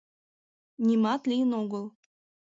Нимат лийын огыл...